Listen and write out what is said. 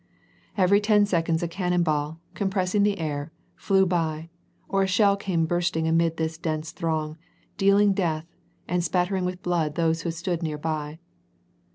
Every ten seconds a cannon ball, compressing the air, flev by, or a shell came bursting amid this dense throng, deahog death, and spattering with blood those who stood near by.